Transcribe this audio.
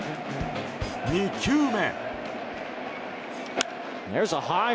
２球目。